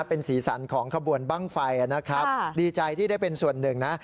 เป็นสีสันของขบวนบ้างไฟนะครับดีใจที่ได้เป็นส่วนหนึ่งนะ